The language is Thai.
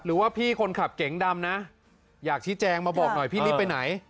หรือว่าพี่คนขับเก๋งดำนะอยากชี้แจงมาบอกหน่อยพี่ลิฟต์ไปไหน